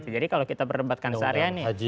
jadi kalau kita berdebatkan syariah ini